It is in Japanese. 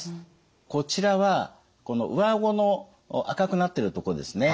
こちらはこの上顎の赤くなってるとこですね。